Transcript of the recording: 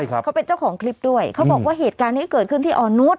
เขาเป็นเจ้าของคลิปด้วยเขาบอกว่าเหตุการณ์นี้เกิดขึ้นที่อ่อนนุษย